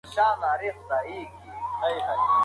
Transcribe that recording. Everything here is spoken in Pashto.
تاسو باید د نوې تکنالوژۍ په اړه خپل معلومات تازه کړئ.